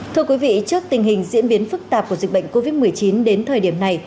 thưa quý vị trước tình hình diễn biến phức tạp của dịch bệnh covid một mươi chín đến thời điểm này